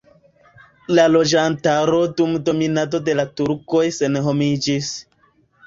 La loĝantaro dum dominado de la turkoj senhomiĝis.